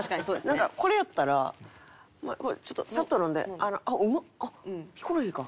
なんかこれやったらサッと飲んで「うまっ！ヒコロヒーか」。